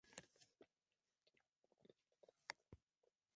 Hay algunas desarrollos privados en cada uno de los extremo de la isla.